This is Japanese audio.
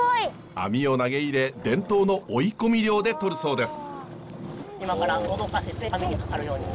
網を投げ入れ伝統の追い込み漁でとるそうです。